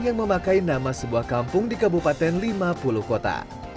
yang memakai nama sebuah kampung di kabupaten lima puluh kota